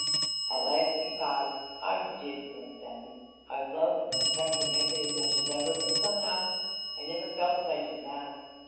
At last he signed, "I DID love Bessie. I love and respect her memory as much as ever. But somehow I never felt as I do now.